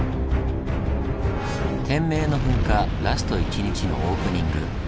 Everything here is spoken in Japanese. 天明の噴火ラスト１日のオープニング